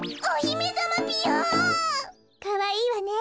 かわいいわね。